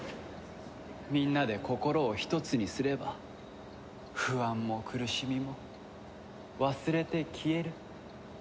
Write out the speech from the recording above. みんなで心を一つにすれば不安も苦しみも忘れて消える。